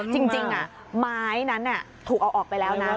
จริงไม้นั้นถูกเอาออกไปแล้วนะ